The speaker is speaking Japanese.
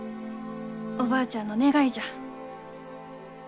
おばあちゃんの願いじゃ。